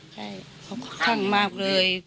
ใช่เขาคุ้มข้างมากเลย